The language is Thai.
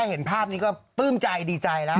เห็นภาพนี้ก็ปลื้มใจดีใจแล้ว